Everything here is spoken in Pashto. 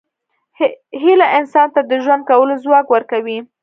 هیله انسان ته د ژوند کولو ځواک ورکوي.